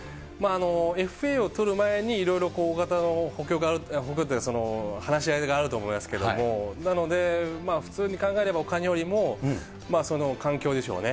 ＦＡを取る前に、いろいろ大型の補強がある、補強っていうか、話し合いがあると思いますけれども、なので、普通に考えればお金よりも環境でしょうね。